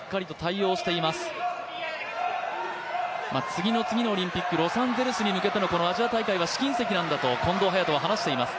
次の次のオリンピック、ロサンゼルスに向けての試金石なんだと近藤隼斗は話しています。